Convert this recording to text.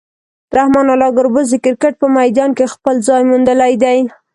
رحمان الله ګربز د کرکټ په میدان کې خپل ځای موندلی دی.